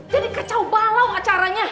jadi kecowbalau acaranya